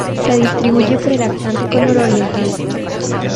Se distribuye por el Atlántico nororiental.